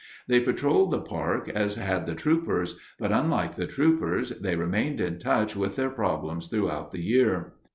They patrolled the park as had the troopers, but, unlike the troopers, they remained in touch with their problems throughout the year.